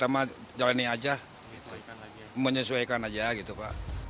berani aja menyesuaikan aja gitu pak